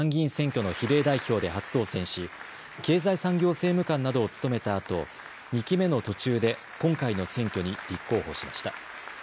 平成２５年の参議院選挙の比例代表で初当選し経済産業政務官などを務めたあと２期目の途中で今回の選挙に立候補しました。